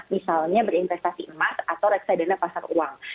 misalnya berinvestasi emas atau reksadana pasar uang